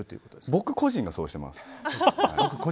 僕個人はそうしています。